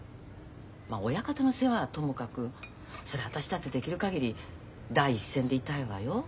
まあ親方の世話はともかくそりゃ私だってできる限り第一線でいたいわよ。